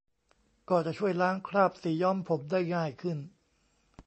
ก็จะช่วยล้างคราบสีย้อมผมได้ง่ายขึ้น